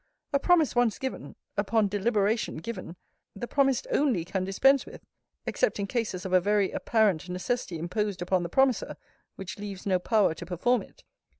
A promise once given (upon deliberation given,) the promised only can dispense with; except in cases of a very apparent necessity imposed upon the promiser, which leaves no power to perform it.